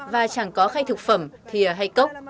và chẳng có khay thực phẩm thìa hay cốc